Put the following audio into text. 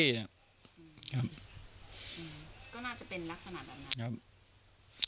ก็น่าจะเป็นลักษณะแบบนั้น